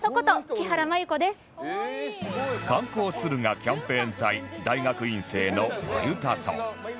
観光敦賀キャンペーン隊大学院生のまゆたそ